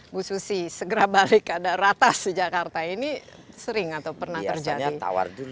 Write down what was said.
bu susi segera balik ke ada ratas di jakarta ini sering atau pernah terjadi